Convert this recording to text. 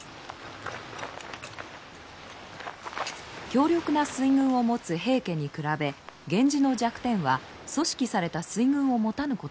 強力な水軍を持つ平家に比べ源氏の弱点は組織された水軍を持たぬことでした。